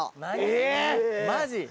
えっ・マジ？